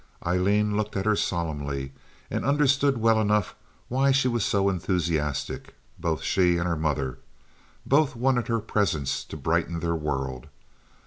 Aileen looked at her solemnly, and understood well enough why she was so enthusiastic—both she and her mother. Both wanted her presence to brighten their world.